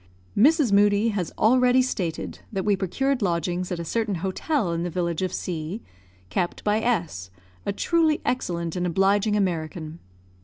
Mrs. Moodie has already stated that we procured lodgings at a certain hotel in the village of C kept by S , a truly excellent and obliging American.